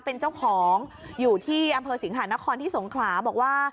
เป็นเจ้าของอยู่ที่อำเภอสิงหานครที่สงขลาบอกว่า